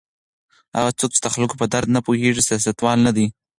هغه څوک چې د خلکو په درد نه پوهیږي سیاستوال نه دی.